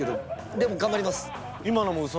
でも頑張ります。